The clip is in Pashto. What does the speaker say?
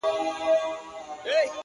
• لکه خُم ته د رنګرېز چي وي لوېدلی ,